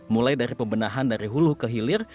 mulai dari pembenahan dari hulu ke hilir